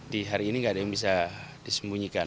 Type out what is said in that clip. di hari ini nggak ada yang bisa disembunyikan